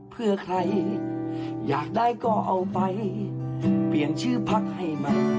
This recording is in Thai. เพื่อใครกันแน่